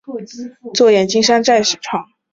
几兄弟姊妹曾协助谭父运作冶金山寨厂。